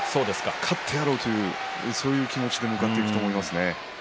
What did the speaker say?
勝ってやろうという、そういう気持ちで向かっていくと思います。